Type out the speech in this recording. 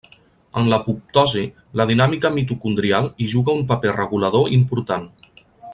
En l’apoptosi, la dinàmica mitocondrial hi juga un paper regulador important.